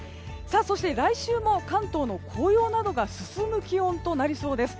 そして来週も関東の紅葉などが進む気温となりそうです。